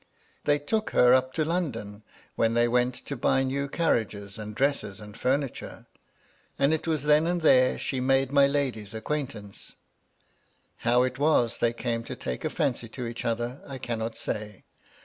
They took her up to London, when they went to buy new carriages, and dresses, and furniture. And it was then and there she made my lady's ac 296 MY LADY LUDLOW. quaintance. How it was that they came to take a &Dcy to each other, I cannot say.